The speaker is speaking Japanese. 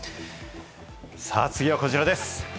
次はこちらです。